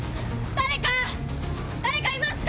誰かいますか？